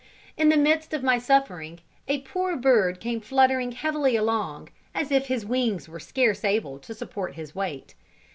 In the midst of my suffering, a poor bird came fluttering heavily along, as if his wings were scarce able to support his weight.